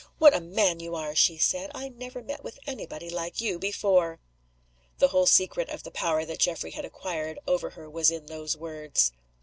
"What a man you are!" she said. "I never met with any body like you before!" The whole secret of the power that Geoffrey had acquired over her was in those words.